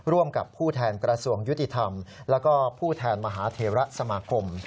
ร่วมกับผู้แทนกระทรวงยุติธรรมแล้วก็ผู้แทนมหาเทระสมาคม